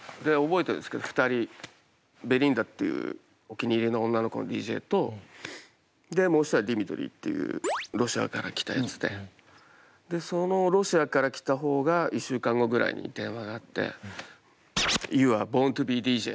覚えてるんですけど２人ベリンダっていうお気に入りの女の子のＤＪともう一人はディミトリーっていうロシアから来たやつでそのロシアから来た方が１週間後ぐらいに電話があってお！